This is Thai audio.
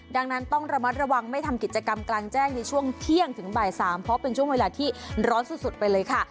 ดังนั้นต้องระมัดระวังไม่ทำกิจกรรมกลางแจ้งในช่วงเที่ยงถึงบ่าย๓เพราะเป็นช่วงเวลาที่ร้อนสุดไปเลยค่ะ